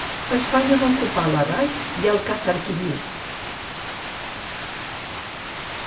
Espanya va ocupar Larraix i Alcazarquivir.